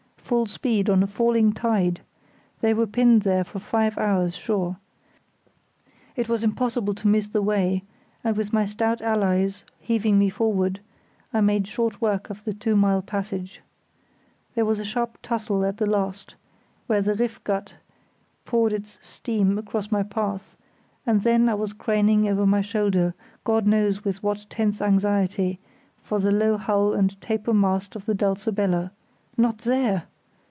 Full speed on a falling tide! They were pinned there for five hours sure. It was impossible to miss the way, and with my stout allies heaving me forward, I made short work of the two mile passage. There was a sharp tussle at the last, where the Riff Gat poured its stream across my path, and then I was craning over my shoulder, God knows with what tense anxiety, for the low hull and taper mast of the Dulcibella. Not there!